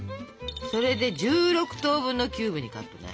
それで１６等分のキューブにカットね。